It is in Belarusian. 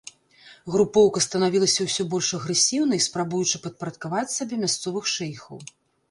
Групоўка станавілася ўсё больш агрэсіўнай, спрабуючы падпарадкаваць сабе мясцовых шэйхаў.